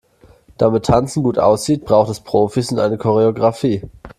Damit Tanzen gut aussieht, braucht es Profis und eine Choreografie.